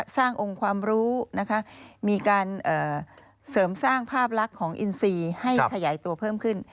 สร้างองค์ความรู้นะคะมีการเสริมสร้างภาพลักษณ์ของอินซีให้ขยายตัวเพิ่มขึ้น